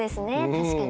確かに。